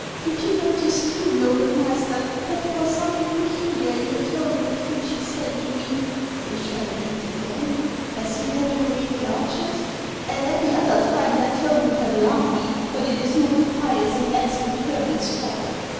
Did you notice too, noble master, that there was something peculiar in the tone with which he said to me, ' We shall meet again !' as he led away the archers ? At any other time that tone would have alarmed me ; but it is not the pious and excellent hermit's fault.